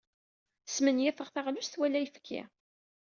Smenyafeɣ taɣlust wala ayefki.